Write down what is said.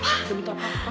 tidak minta apa apa